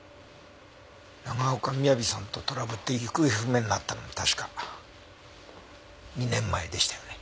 長岡雅さんとトラブって行方不明になったのも確か２年前でしたよね？